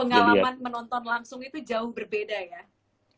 pengalaman menonton langsung itu jauh berbeda ya